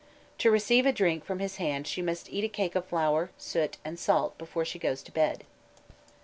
To receive a drink from his hand she must eat a cake of flour, soot, and salt before she goes to bed.